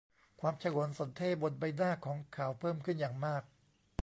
ความฉงนสนเท่ห์บนใบหน้าของเขาเพิ่มขึ้นอย่างมาก